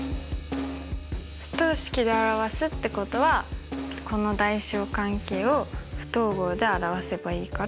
不等式で表すってことはこの大小関係を不等号で表せばいいから。